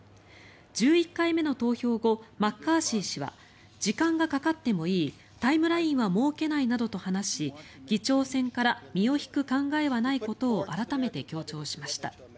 １１回目の投票後マッカーシー氏は時間がかかってもいいタイムラインは設けないなどと話し議長選から身を引く考えはないことを改めて強調しました。